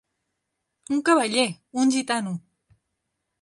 Un cavaller, un gitano.